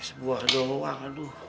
sebuah dong wang